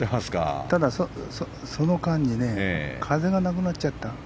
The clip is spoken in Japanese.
ただ、その間に風がなくなっちゃった。